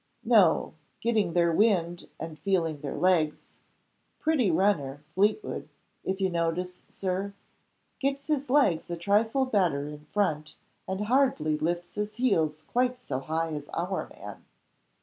"No. Getting their wind, and feeling their legs. Pretty runner, Fleetwood if you notice Sir? Gets his legs a trifle better in front, and hardly lifts his heels quite so high as our man.